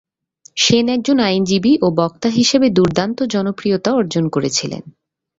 সেন একজন আইনজীবী ও বক্তা হিসাবে দুর্দান্ত জনপ্রিয়তা অর্জন করেছিলেন।